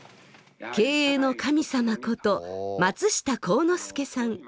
経営の神様こと松下幸之助さん。